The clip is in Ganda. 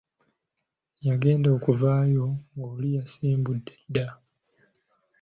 Yagenda okuvaayo ng'oli yasimbudde dda.